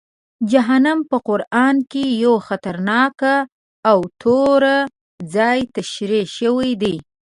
جهنم په قرآن کې یو خطرناک او توره ځای تشریح شوی دی.